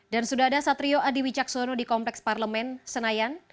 dan sudah ada satrio adi wicaksono di kompleks parlemen senayan